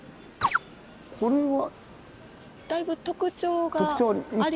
これは。